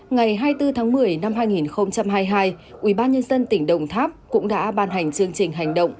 ngày hai mươi bốn tháng một mươi năm hai nghìn hai mươi hai ủy ban nhân dân tỉnh đồng tháp cũng đã ban hành chương trình hành động